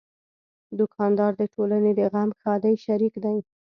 دوکاندار د ټولنې د غم ښادۍ شریک دی.